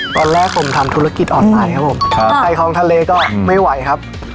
ตอนแรกผมทำธุรกิจออนไลน์ครับผมไปคลองทะเลก็ไม่ไหวครับ